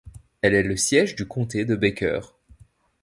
Elle est le siège du comté de Becker.